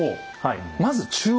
まず中央。